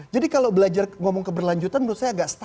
jadi kalau belajar ngomong keberlanjutan menurut saya agak selalu